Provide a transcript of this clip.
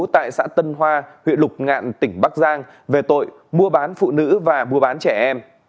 tại xã tân hoa huyện lục ngạn tỉnh bắc giang về tội mua bán phụ nữ và mua bán trẻ em